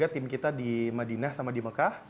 tim kita di madinah sama di mekah